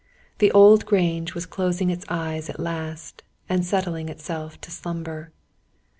The old Grange was closing its eyes at last, and settling itself to slumber.